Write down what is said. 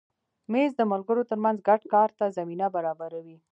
مېز د ملګرو تر منځ ګډ کار ته زمینه برابروي.